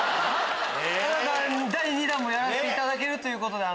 第２弾もやらせていただけるということで。